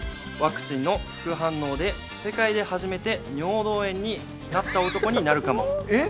「ワクチンの副反応で世界で初めて尿道炎になった男になるかも。